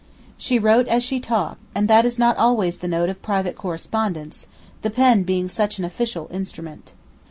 She wrote as she talked, and that is not always the note of private correspondence, the pen being such an official instrument.